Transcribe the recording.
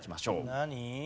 何？